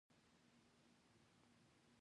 استاد د زړونو دروازه پرانیزي.